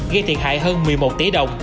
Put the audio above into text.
gây thiệt hại hơn một mươi một tỷ đồng